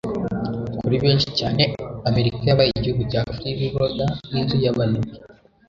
Kuri benshi cyane Amerika yabaye Igihugu cya Freeloader n'inzu y'Abanebwe